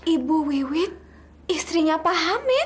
ibu wiwit istrinya pak hamid